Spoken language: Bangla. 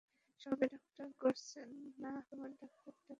সবে শুরু করেছ না তোমারা ডাক্তার ডাক্তার খেলে ফেলেছ?